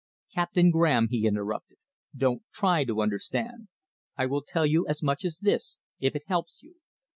"Captain Graham," he interrupted, "don't try to understand. I will tell you as much as this, if it helps you.